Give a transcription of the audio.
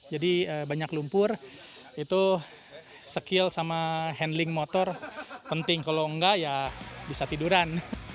jadi banyak lumpur itu skill sama handling motor penting kalau enggak ya bisa tiduran